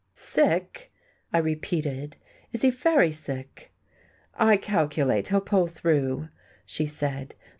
"Sick!" I repeated. "Is he very sick?" "I calculate he'll pull through," she said.